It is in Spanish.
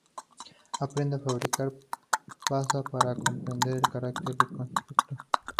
Aprender a fabricarlas pasa por comprender su carácter de constructo